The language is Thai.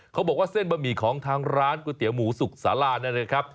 เขาบอกว่าเส้นบะหมี่ของทางร้านก๋วยเตี๋ยวหมูสุกศาลา